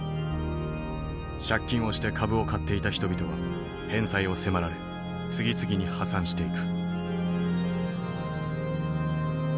借金をして株を買っていた人々は返済を迫られ次々に破産していく。